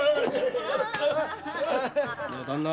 旦那